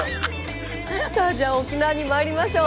さあじゃあ沖縄にまいりましょう。